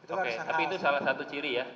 oke tapi itu salah satu ciri ya